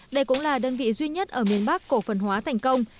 đây cũng là đơn vị duy nhất ở miền bắc cổ phần hóa thành công